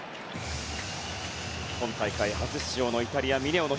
今大会初出場イタリア、ミネオ。